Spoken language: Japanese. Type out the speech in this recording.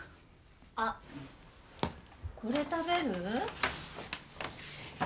あこれ食べる？